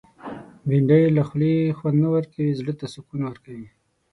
بېنډۍ له خولې خوند نه ورکوي، زړه ته سکون ورکوي